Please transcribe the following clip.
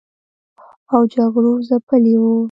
او جګړو ځپلي و